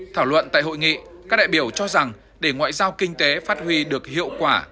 thảo luận tại hội nghị các đại biểu cho rằng để ngoại giao kinh tế phát huy được hiệu quả